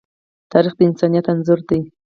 تاریخ د انسانیت انځور دی.